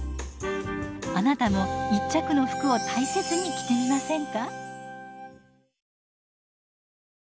あなたも一着の服を大切に着てみませんか。